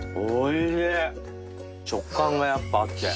食感がやっぱあって。